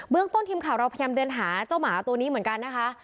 เรื่องต้นทีมข่าวเราพยายามเดินหาเจ้าหมาตัวนี้เหมือนกันนะคะ